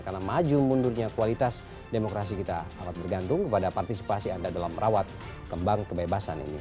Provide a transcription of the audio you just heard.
karena maju mundurnya kualitas demokrasi kita akan bergantung kepada partisipasi anda dalam merawat kembang kebebasan ini